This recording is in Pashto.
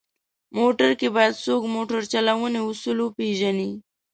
موټر کې باید څوک موټر چلونې اصول وپېژني.